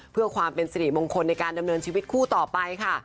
เพื่อความเป็นสิริมงคลในการดำเนินชีวิตคู่ต่อไปค่ะ